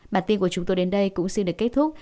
bản tin của chúng tôi đến đây cũng xin được kết thúc